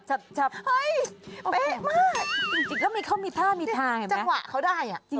เป๊ะมากจริงแล้วมีเขามีท่ามีทางเห็นไหมจังหวะเขาได้อ่ะจริง